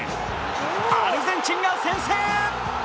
アルゼンチンが先制。